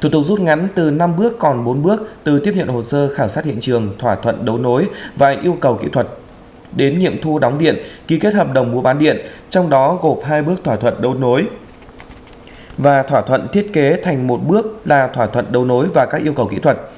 thủ tục rút ngắn từ năm bước còn bốn bước từ tiếp nhận hồ sơ khảo sát hiện trường thỏa thuận đấu nối và yêu cầu kỹ thuật đến nghiệm thu đóng điện ký kết hợp đồng mua bán điện trong đó gộp hai bước thỏa thuận đấu nối và thỏa thuận thiết kế thành một bước là thỏa thuận đấu nối và các yêu cầu kỹ thuật